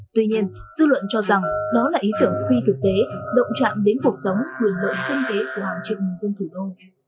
tuy nhiên dư luận cho rằng đó là ý tưởng phi thực tế động trạm đến cuộc sống quyền lợi sinh kế của hàng triệu người dân thủ đô